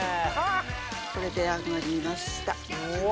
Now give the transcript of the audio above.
これで揚がりました。